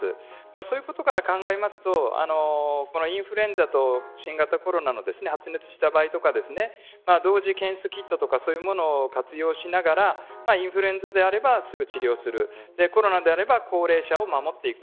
そういうことから考えるとインフルエンザと新型コロナの発熱した場合とか同時検査キットとかそういうものを活用しながらインフルエンザであればすぐ治療するコロナであれば高齢者を守っていく。